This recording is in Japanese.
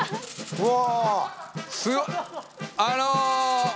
うわ！